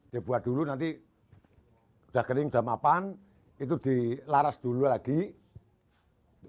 dibuat dulu nanti sudah kering jam apaan itu dilaras dulu lagi harus begitu